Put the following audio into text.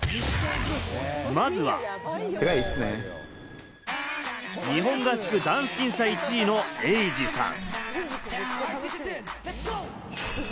まずは、日本合宿ダンス審査１位のエイジさん。